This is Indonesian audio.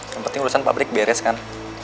yang penting urusan pabrik beres kan